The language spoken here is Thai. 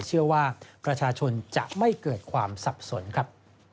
เชื่อว่าประชาชนจะไม่เกิดความสับสนครับ